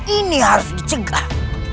ini harus dicegah